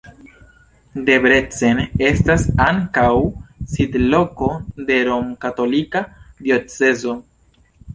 Debrecen estas ankaŭ sidloko de romkatolika diocezo.